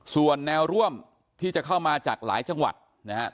ส่วนแนวร่วมที่จะเข้ามาจากหลายจังหวัดนะครับ